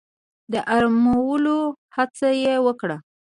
د آرامولو هڅه يې وکړه.